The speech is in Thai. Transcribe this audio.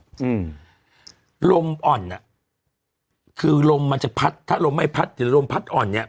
อืมลมอ่อนอ่ะคือลมมันจะพัดถ้าลมไม่พัดหรือลมพัดอ่อนเนี้ย